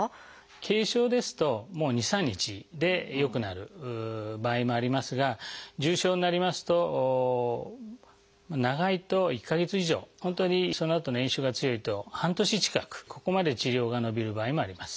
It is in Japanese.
軽症ですと２３日で良くなる場合もありますが重症になりますと長いと１か月以上本当にそのあとの炎症が強いと半年近くここまで治療が延びる場合もあります。